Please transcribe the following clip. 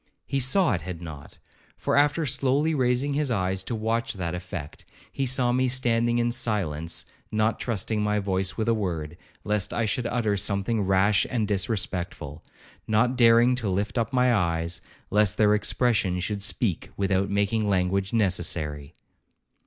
He saw it had not; for after slowly raising his eyes to watch that effect, he saw me standing in silence, not trusting my voice with a word, lest I should utter something rash and disrespectful,—not daring to lift up my eyes, lest their expression should speak without making language necessary.